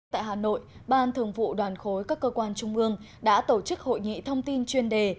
tại hà nội ban thường vụ đoàn khối các cơ quan trung ương đã tổ chức hội nghị thông tin chuyên đề